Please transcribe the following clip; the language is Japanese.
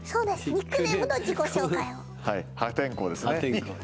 ニックネームと自己紹介をいいですね